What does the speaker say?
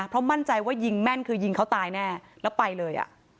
เพราะมั่นใจว่ายิงแม่นคือยิงเขาตายแน่แล้วไปเลย